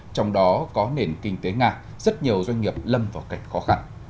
trong đó có nền kinh tế nga rất nhiều doanh nghiệp lâm vào cảnh khó khăn